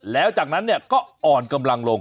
แล้วจากนั้นก็อ่อนกำลังลง